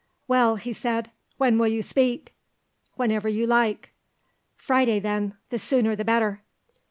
"Well," he said, "when will you speak?" "Whenever you like." "Friday, then, the sooner the better."